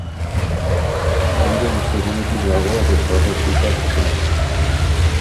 Joan den ostegunetik dago desagertuta gizona.